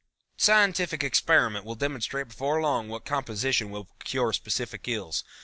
Scientific experiment will demonstrate before long what composition will cure specific ills.